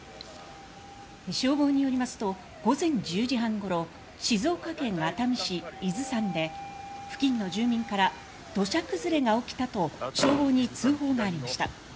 消防によりますと午前１０時半ごろ静岡県熱海市伊豆山で付近の住民から土砂崩れが起きたと消防に通報がありました。